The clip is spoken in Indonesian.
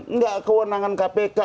tidak kewenangan kpk